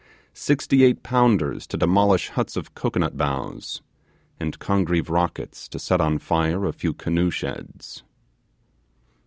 Sixty eight pounders to demolish huts of cocoanut boughs, and Congreve rockets to set on fire a few canoe sheds!